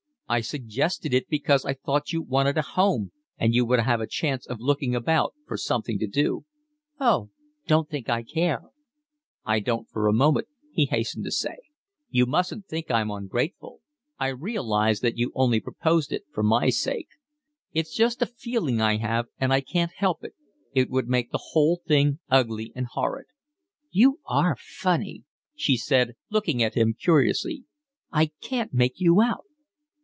I suggested it because I thought you wanted a home and you would have a chance of looking about for something to do." "Oh, don't think I care." "I don't for a moment," he hastened to say. "You mustn't think I'm ungrateful. I realise that you only proposed it for my sake. It's just a feeling I have, and I can't help it, it would make the whole thing ugly and horrid." "You are funny," she said, looking at him curiously. "I can't make you out."